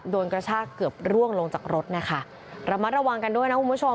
กระชากเกือบร่วงลงจากรถนะคะระมัดระวังกันด้วยนะคุณผู้ชม